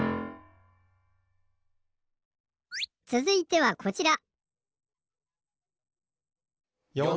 つづいてはこちら。